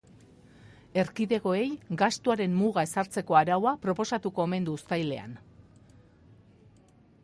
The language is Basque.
Erkidegoei gastuaren muga ezartzeko araua proposatuko omen du uztailean.